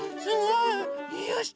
よし！